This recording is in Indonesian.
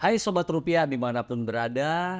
hai sobat rupiah dimanapun berada